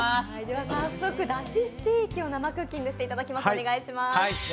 早速、出汁ステーキを生クッキングしていただきます。